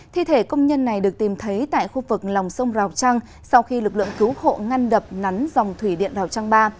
thi thể công nhân này được tìm thấy tại khu vực lòng sông rào trăng sau khi lực lượng cứu hộ ngăn đập nắn dòng thủy điện rào trang ba